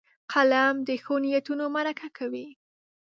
قلم د ښو نیتونو مرکه کوي